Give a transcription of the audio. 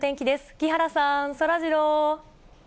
木原さん、そらジロー。